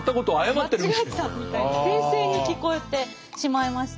間違ったみたいな訂正に聞こえてしまいまして。